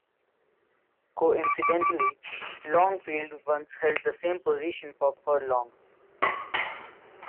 Coincidentally, Longfield once held the same position for Furlong.